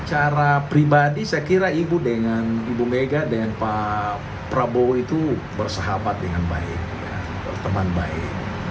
secara pribadi saya kira ibu dengan ibu mega dengan pak prabowo itu bersahabat dengan baik berteman baik